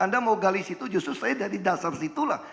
dan dari situ saya dari dasar situlah